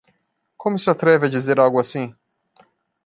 Como se atreve a dizer algo assim?